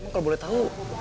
emang kamu boleh tau